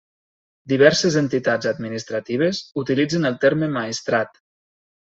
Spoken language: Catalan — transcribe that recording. Diverses entitats administratives utilitzen el terme Maestrat.